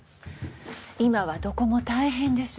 今はどこも大変です